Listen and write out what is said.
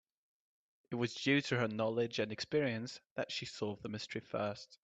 It was due to her knowledge and experience that she solved the mystery first.